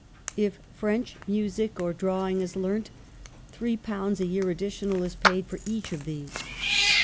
If French, music, or drawing is learnt, ,£3 a year additional is paid for each of these.